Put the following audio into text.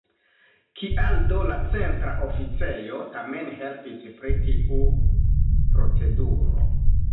Kial do la Centra Oficejo tamen helpis pri tiu proceduro?